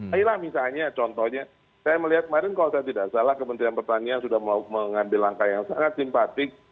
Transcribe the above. ayolah misalnya contohnya saya melihat kemarin kalau saya tidak salah kementerian pertanian sudah mengambil langkah yang sangat simpatik